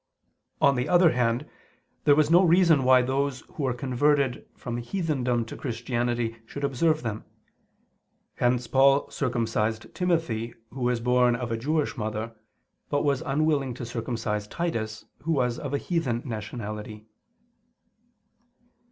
On the other hand, there was no reason why those who were converted from heathendom to Christianity should observe them. Hence Paul circumcised Timothy, who was born of a Jewish mother; but was unwilling to circumcise Titus, who was of heathen nationality.